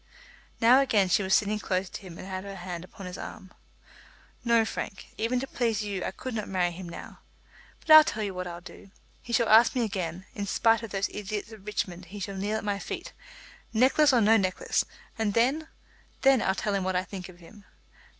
Now again she was sitting close to him and had her hand upon his arm. "No, Frank; even to please you I could not marry him now. But I'll tell you what I'll do. He shall ask me again. In spite of those idiots at Richmond he shall kneel at my feet, necklace or no necklace; and then, then I'll tell him what I think of him.